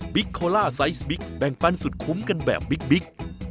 โคล่าไซส์บิ๊กแบ่งปันสุดคุ้มกันแบบบิ๊ก